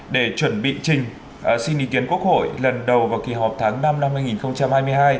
để chuẩn bị trình xin ý kiến quốc hội lần đầu vào kỳ họp tháng năm năm hai nghìn hai mươi hai